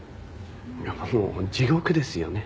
なんかもう地獄ですよね。